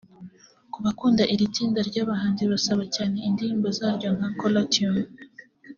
ko bakunda iri tsinda ry’abahanzi basaba cyane indirimbo zaryo nka Caller tune